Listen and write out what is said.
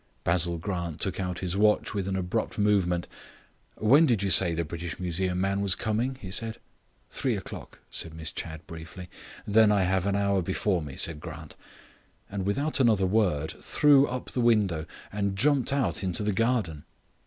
Basil Grant took out his watch with an abrupt movement. "When did you say the British Museum man was coming?" he said. "Three o'clock," said Miss Chadd briefly. "Then I have an hour before me," said Grant, and without another word threw up the window and jumped out into the garden.